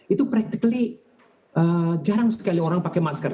itu practically jarang sekali orang pakai masker